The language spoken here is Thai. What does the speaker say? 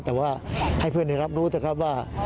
แต่ว่าให้เพื่อนได้รับรู้เถอะครับว่า